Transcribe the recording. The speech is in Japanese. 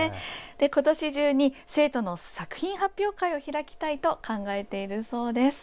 今年中に生徒の作品発表会を開きたいと考えているそうです。